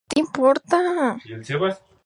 Las avenidas Dr.